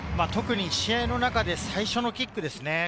特に試合の中の最初のキックですね。